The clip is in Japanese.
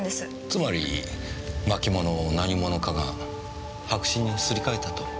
つまり巻物を何者かが白紙にすり替えたと？